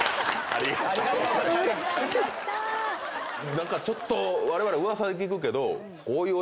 何かちょっとわれわれ噂で聞くけどこういうお仕事。